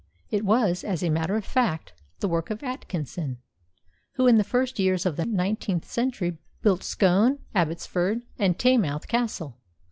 It was, as a matter of fact, the work of Atkinson, who in the first years of the nineteenth century built Scone, Abbotsford, and Taymouth Castle.